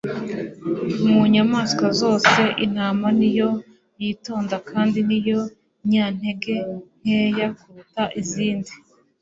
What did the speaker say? Mu nyamaswa zose, intama ni yo yitonda kandi ni yo nyantege nkeya kuruta izindi;